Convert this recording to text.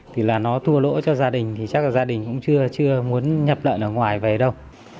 thì là nó thua lỗ cho gia đình thì chắc là gia đình cũng chưa muốn nhập lợn ở ngoài về đâu